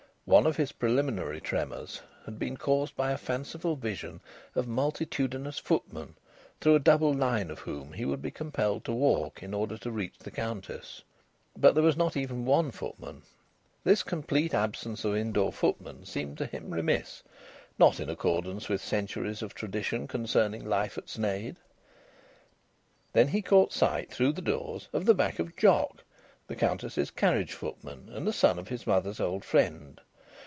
One of his preliminary tremors had been caused by a fanciful vision of multitudinous footmen, through a double line of whom he would be compelled to walk in order to reach the Countess. But there was not even one footman. This complete absence of indoor footmen seemed to him remiss, not in accordance with centuries of tradition concerning life at Sneyd. Then he caught sight, through the doors, of the back of Jock, the Countess's carriage footman and the son of his mother's old friend.